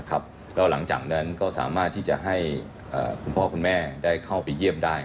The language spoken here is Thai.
แล้วหลังจากนั้นก็สามารถที่จะให้คุณพ่อคุณแม่ได้เข้าไปเยี่ยมได้